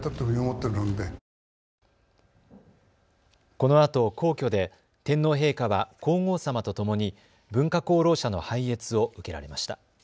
このあと皇居で天皇陛下は皇后さまとともに文化功労者の拝謁を受けられました。